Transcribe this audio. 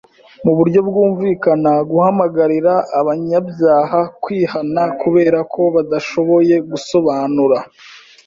mu buryo bwumvikana guhamagarira abanyabyaha kwihana kubera ko badashoboye gusobanura